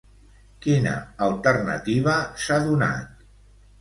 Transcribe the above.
Quina alternativa s'ha donat?